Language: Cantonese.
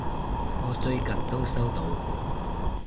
我最近都收到！